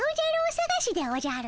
さがしでおじゃる。